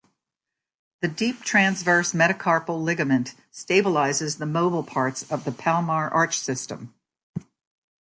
The deep transverse metacarpal ligament stabilises the mobile parts of the palmar arch system.